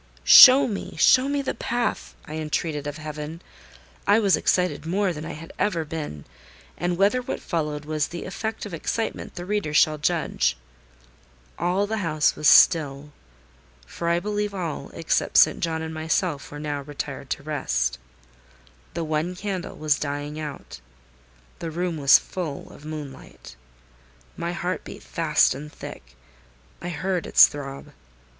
"Show me, show me the path!" I entreated of Heaven. I was excited more than I had ever been; and whether what followed was the effect of excitement the reader shall judge. All the house was still; for I believe all, except St. John and myself, were now retired to rest. The one candle was dying out: the room was full of moonlight. My heart beat fast and thick: I heard its throb.